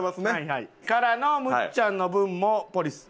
からのむっちゃんの分もポリス。